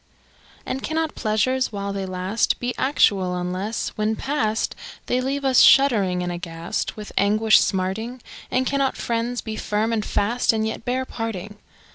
] And cannot pleasures, while they last, Be actual unless, when past, They leave us shuddering and aghast, With anguish smarting? And cannot friends be firm and fast, And yet bear parting?